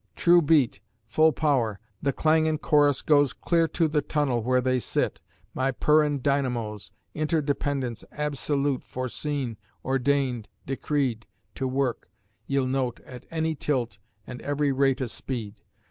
True beat, full power, the clangin' chorus goes Clear to the tunnel where they sit, my purrin' dynamos. Interdependence absolute, foreseen, ordained, decreed, To work, ye'll note, at any tilt an' every rate o' speed.